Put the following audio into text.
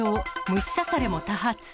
虫刺されも多発。